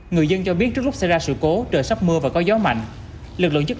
người dân cho biết trước lúc xảy ra sự cố trời sắp mưa và có gió mạnh lực lượng chức